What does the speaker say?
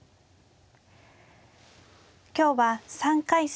今日は３回戦